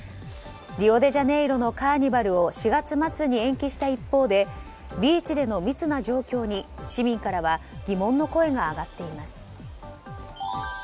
リオデジャネイロのカーニバルを４月末に延期した一方でビーチでの密な状況に市民からは疑問の声が上がっています。